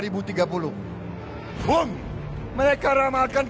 boom mereka ramalkan